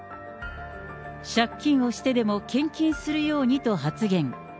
借金をしてでも献金するようにと発言。